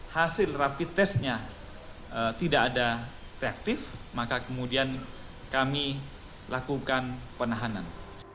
hasil rapi tesnya tidak ada reaktif maka kemudian kami lakukan penahanan